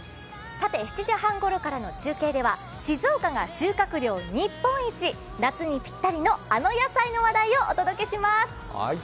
７時半ごろからの中継では静岡が収穫量日本一、夏にぴったりのあの野菜のお題をお届けします。